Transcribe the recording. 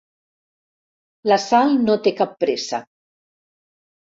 La Sal no té cap pressa.